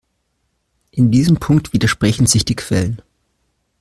In diesem Punkt widersprechen sich die Quellen.